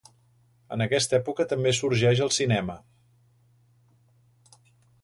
En aquesta època també sorgeix el cinema.